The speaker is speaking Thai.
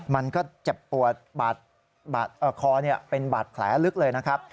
มันก็เจ็บปวดบาดคอเป็นบาดแผลลึกเลยนะครับ